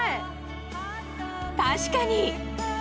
確かに！